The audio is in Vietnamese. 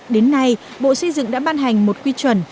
đến nay bộ xây dựng đã ban hành một quy chuẩn